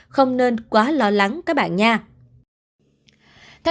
không nên quá lo lắng các bạn nha